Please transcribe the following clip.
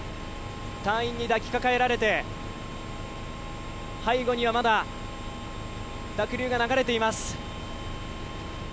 隊員に抱きかかえらえて背後にはまだ濁流が流れています。